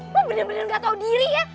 lo bener bener nggak tahu diri ya